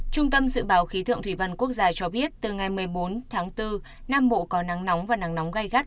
trung tâm dự báo khí tượng thủy văn quốc gia cho biết từ ngày một mươi bốn tháng bốn nam bộ có nắng nóng và nắng nóng gai gắt